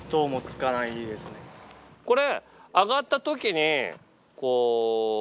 これ。